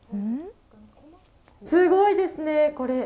すごいですね、これ。